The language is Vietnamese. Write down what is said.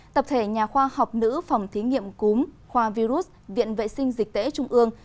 tập thể nhà khoa học nữ phòng thí nghiệm cúm khoa virus viện vệ sinh dịch tễ trung ương